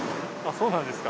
そうなんですか。